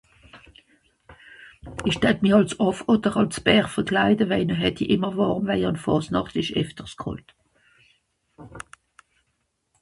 ìsch d'hatt mi àls Aff oder àls Bär verklaide weje nò hätt'i ìmmer wàrm waijer àn Faasnàcht esch häfters kàlt